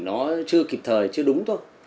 nó chưa kịp thời chưa đúng thôi